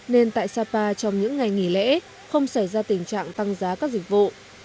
nên tại sapa trong những ngày nghỉ lễ không xảy ra tình trạng tăng giá các dịch vụ